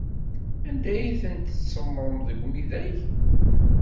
Anda ay tent-tsemmṛem deg umidag?